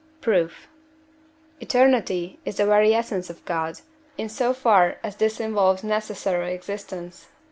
Proof. Eternity is the very essence of God, in so far as this involves necessary existence (I.